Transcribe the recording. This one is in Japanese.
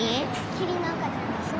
キリンの赤ちゃんでしょ？